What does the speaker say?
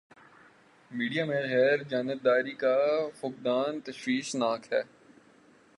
Media میں غیر جانبداری کا فقدان تشویش ناک ہے۔